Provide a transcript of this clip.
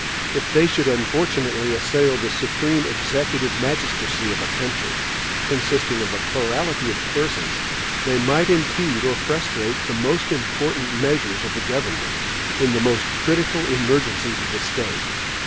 If they should unfortunately assail the supreme executive magistracy of a country, consisting of a plurality of persons, they might impede or frustrate the most important measures of the government, in the most critical emergencies of the state.